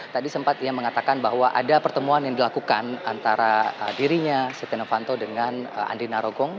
tadi sempat dia mengatakan bahwa ada pertemuan yang dilakukan antara dirinya seteh novanto dengan andrina rogong